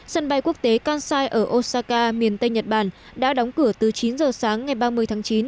sân bay quốc tế kansai ở osaka miền tây nhật bản đã đóng cửa từ chín giờ sáng ngày ba mươi tháng chín